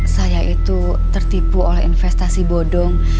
saya itu tertipu oleh investasi bodong